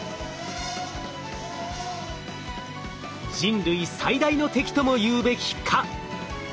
人類最大の敵ともいうべき蚊。